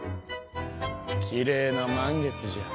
きれいな満月じゃ。